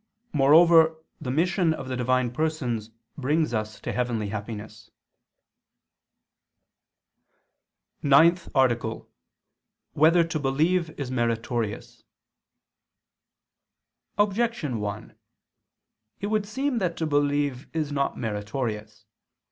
Moreover the mission of the Divine Persons brings us to heavenly happiness. _______________________ NINTH ARTICLE [II II, Q. 2, Art. 9] Whether to Believe Is Meritorious? Objection 1: It would seem that to believe is not meritorious.